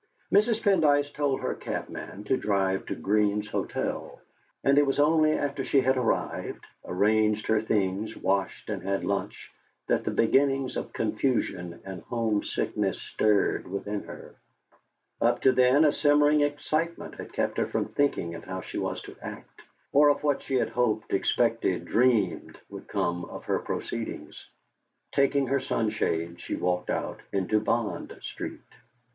Mrs. Pendyce told her cabman to drive to Green's Hotel, and it was only after she had arrived, arranged her things, washed, and had lunch, that the beginnings of confusion and home sickness stirred within her. Up to then a simmering excitement had kept her from thinking of how she was to act, or of what she had hoped, expected, dreamed, would come of her proceedings. Taking her sunshade, she walked out into Bond Street.